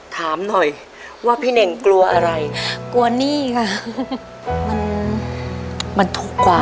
ถามหน่อยว่าพี่เน่งกลัวอะไรกลัวหนี้ค่ะมันมันถูกกว่า